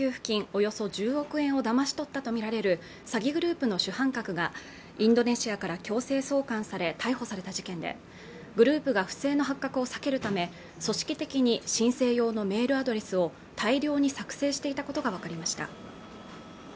およそ１０億円をだまし取ったと見られる詐欺グループの主犯格がインドネシアから強制送還され逮捕された事件でグループが不正の発覚を避けるため組織的に申請用のメールアドレスを大量に作成していたことが分かりました